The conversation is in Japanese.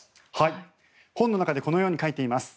本の中でこのように書いています。